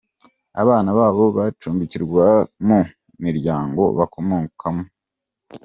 Abana babo bacumbikirwa mu miryango bakomokamo.